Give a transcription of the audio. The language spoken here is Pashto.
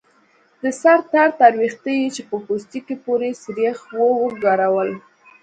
د سر تار تار ويښته يې چې په پوستکي پورې سرېښ وو وګرول.